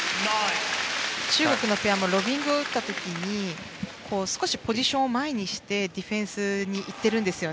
中国のペアもロビングを打った時に少しポジションを前にしてディフェンス行っているんです。